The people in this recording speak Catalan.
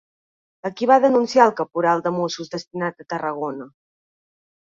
A qui va denunciar el caporal de Mossos destinat a Tarragona?